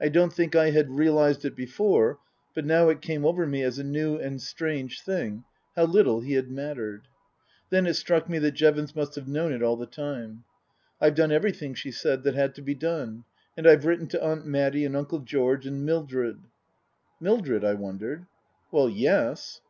I don't think I had realized it before, but now it came over me as a new and strange thing, how little he had mattered. Then it struck me that Jevons must have known it all the time. "I've done everything," she said, " that had to be done. And I've written to Aunt Matty and Uncle George and Mildred." " Mildred ?" I wondered. " Well yes.''